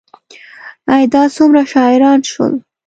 ای، دا څومره شاعران شول